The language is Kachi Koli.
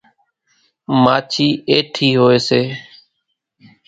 ماڇِي ايٺِي هوئيَ سي۔